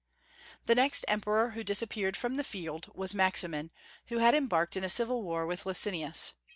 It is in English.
The next emperor who disappeared from the field was Maximin, who had embarked in a civil war with Licinius.